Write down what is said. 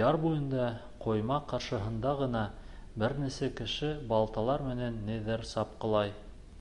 Яр буйында, ҡойма ҡаршыһында ғына, бер нисә кеше балталар менән ниҙер сапҡылай.